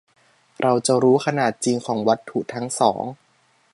- เราจะรู้ขนาดจริงของวัตถุทั้งสอง